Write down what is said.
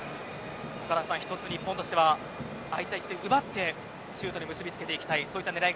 岡田さん、１つ日本としてはああいった位置で奪ってシュートに結び付けていきたい